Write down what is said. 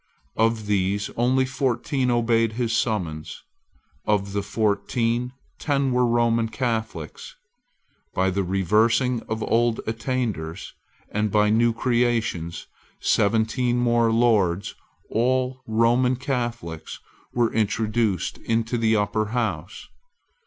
Of these only fourteen obeyed his summons. Of the fourteen, ten were Roman Catholics. By the reversing of old attainders, and by new creations, seventeen more Lords, all Roman Catholics, were introduced into the Upper House.